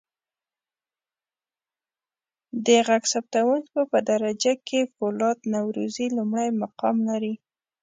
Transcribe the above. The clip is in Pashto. د ږغ ثبتکوونکو په درجه بندی کې فولاد نورزی لمړی مقام لري.